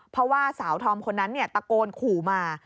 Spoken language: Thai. เพราะว่าสาวธอมคนนั้นตะโกนขู่มา